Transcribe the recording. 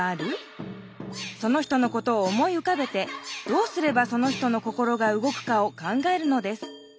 その人のことを思いうかべてどうすればその人の心が動くかを考えるのです。